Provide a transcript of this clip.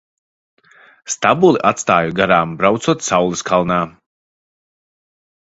Stabuli atstāju garām braucot saules kalnā.